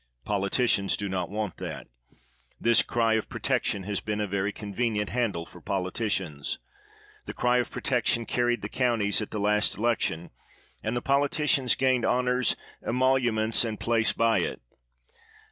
Politicians do not want that. This cry of protection has been a very convenient handle for politicians. The cry of protection carried the counties at the last election, and poli ticians gained honors, emoluments, and place by it.